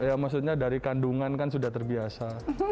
ya maksudnya dari kandungan kan sudah terbiasa